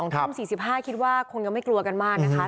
ทุ่ม๔๕คิดว่าคงยังไม่กลัวกันมากนะคะ